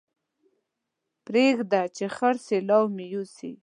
پرېږده چې خړ سېلاو مې يوسي